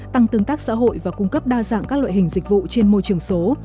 tăng tương tác xã hội và cung cấp đa dạng các loại hình dịch vụ trên môi trường số